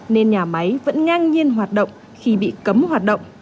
nên nhà máy vẫn ngang nhiên hoạt động khi bị cấm hoạt động